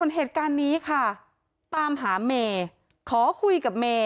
ส่วนเหตุการณ์นี้ค่ะตามหาเมย์ขอคุยกับเมย์